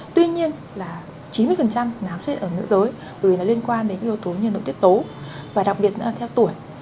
tuy nhiên là chín mươi nám xuất hiện ở nữ giới bởi vì nó liên quan đến yếu tố như nội tiết tố và đặc biệt là theo tuổi